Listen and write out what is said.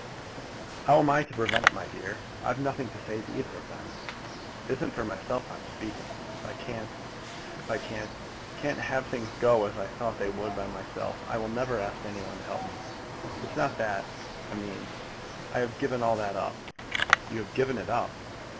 "How am I to prevent it, my dear? I've nothing to say to either of them." "It isn't for myself I'm speaking. If I can't if I can't can't have things go as I thought they would by myself, I will never ask any one to help me. It is not that I mean. I have given all that up." "You have given it up?"